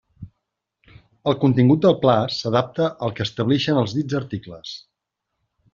El contingut del Pla s'adapta al que establixen els dits articles.